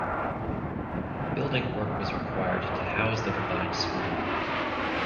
Building work was required to house the combined school.